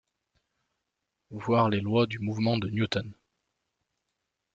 Voir les lois du mouvement de Newton.